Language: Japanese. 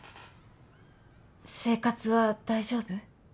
生活は大丈夫？